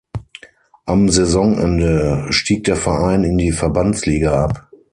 Am Saisonende stieg der Verein in die Verbandsliga ab.